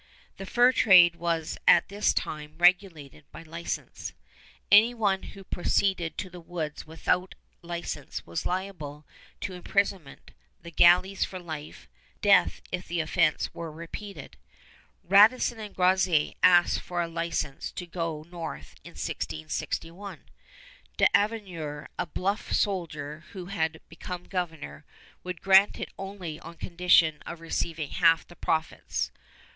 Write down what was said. The fur trade was at this time regulated by license. Any one who proceeded to the woods without license was liable to imprisonment, the galleys for life, death if the offense were repeated. Radisson and Groseillers asked for a license to go north in 1661. D'Avaugour, a bluff soldier who had become governor, would grant it only on condition of receiving half the profits.